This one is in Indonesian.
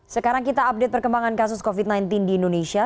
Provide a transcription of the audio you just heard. sekarang kita update perkembangan kasus covid sembilan belas di indonesia